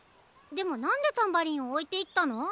でもなんでタンバリンをおいていったの？